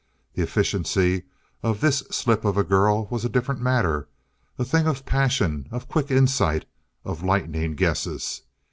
The efficiency of this slip of a girl was a different matter, a thing of passion, of quick insight, of lightning guesses.